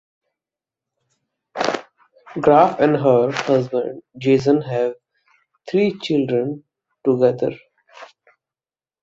Graff and her husband Jason have three children together.